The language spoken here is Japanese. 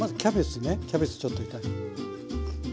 キャベツちょっと。